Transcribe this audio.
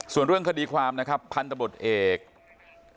ส่วนเรื่องคดีความนะครับพันธบทเอก